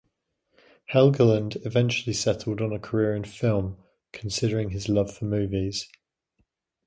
Helgeland eventually settled on a career in film, considering his love for movies.